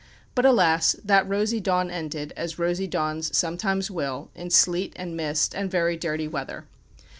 But, alas, that rosy dawn ended, as rosy dawns sometimes will, in sleet and mist and very dirty weather.